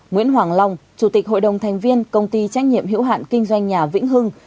nguyễn hoàng long chủ tịch hội đồng thành viên công ty trách nhiệm hiểu hạn kinh doanh nhà vĩnh hưng